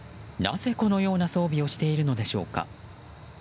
なぜ、このような装備をしているのでしょうか。